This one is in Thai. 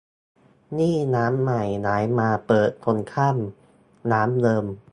นี่ร้านใหม่ย้ายมาเปิดตรงข้ามร้านเดิม